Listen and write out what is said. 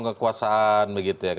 kekuasaan begitu ya